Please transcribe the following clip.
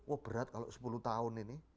oh berat kalau sepuluh tahun ini